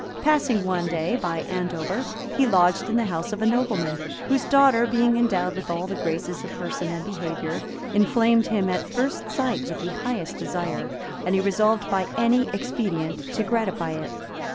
Passing one day by Andover, he lodged in the house of a nobleman, whose daughter, being endowed with all the graces of person and behavior, inflamed him at first sight with the highest desire; and he resolved by any expedient to gratify it.